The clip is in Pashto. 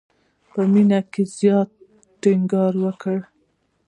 په مینه یې زیات ټینګار وکړ.